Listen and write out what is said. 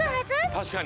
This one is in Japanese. たしかに！